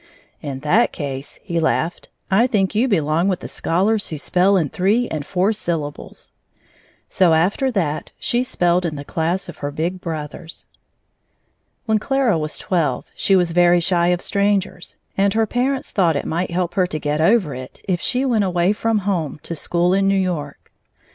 "In that case," he laughed, "I think you belong with the scholars who spell in three and four syllables." So after that, she spelled in the class of her big brothers. When Clara was twelve, she was very shy of strangers, and her parents thought it might help her to get over it if she went away from home to school in New York.